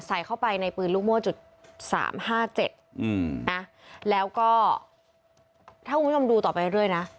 ใส่เข้าไปในปืนลูกโม่จุดสามห้าเจ็ดอืมนะแล้วก็ถ้าคุณผู้ชมดูต่อไปเรื่อยนะ